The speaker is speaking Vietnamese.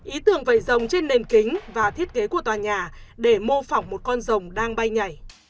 ý tưởng vầy rồng trên nền kính và thiết kế của tòa nhà để mô phỏng một con rồng đang bay nhảy